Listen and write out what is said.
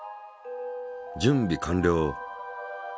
準備完了。